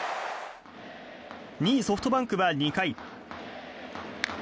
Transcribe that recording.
２位ソフトバンクは２回。